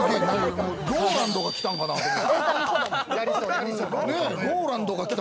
ＲＯＬＡＮＤが来たんかなと思った。